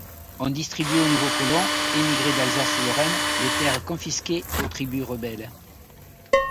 On distribue aux nouveaux colons, émigrés d’Alsace-Lorraine, les terres confisquées aux tribus rebelles.